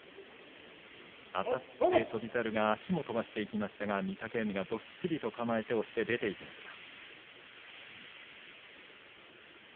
あたって翔猿が足も飛ばしていきましたが御嶽海がどっしりと構えて押して出ていきました。